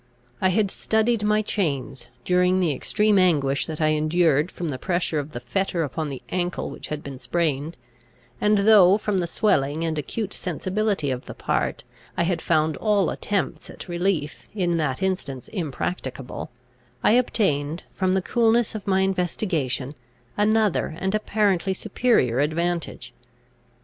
I had studied my chains, during the extreme anguish that I endured from the pressure of the fetter upon the ankle which had been sprained; and though, from the swelling and acute sensibility of the part, I had found all attempts at relief, in that instance, impracticable, I obtained, from the coolness of my investigation, another and apparently superior advantage.